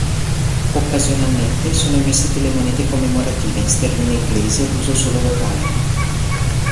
Occasionalmente sono emesse delle monete commemorative in sterline inglesi ad uso solo locale.